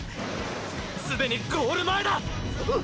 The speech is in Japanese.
すでにゴール前だ！！っ！！